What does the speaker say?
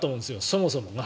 そもそもが。